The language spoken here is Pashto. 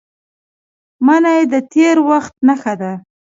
منی د تېر وخت نښه ده